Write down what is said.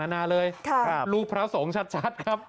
หน้าเลยรูปพระสงชัดครับ